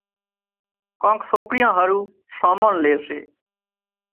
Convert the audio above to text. ڪانڪ سوڪريان هارو سامان لي سي